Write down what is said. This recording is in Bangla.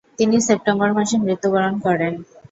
তিনি সেপ্টেম্বর মাসে মৃত্যুবরণ করেন।